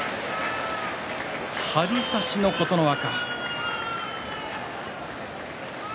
張り差しの琴ノ若。